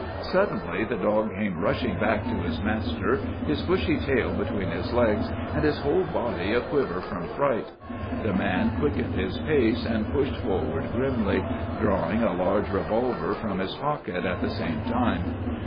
Suddenly the dog came rushing back to his master, his bushy tail between his legs and his whole body a quiver from fright. The man quickened his pace and pushed forward grimly, drawing a large revolver from his pocket at the same time.